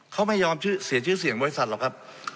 เขาไม่ยอมเสียชื่อเสียงบริษัทหรอกครับ